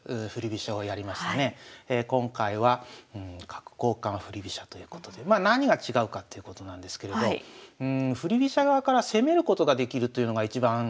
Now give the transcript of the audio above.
今回は角交換振り飛車ということでまあ何が違うかっていうことなんですけれど振り飛車側から攻めることができるというのが一番違うところでしょうかね。